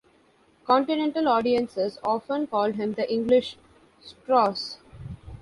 Continental audiences often called him "The English Strauss".